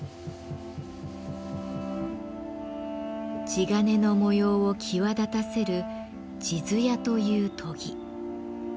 地鉄の模様を際立たせる「地艶」という研ぎ。